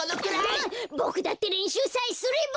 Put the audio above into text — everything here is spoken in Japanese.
ボクだってれんしゅうさえすれば。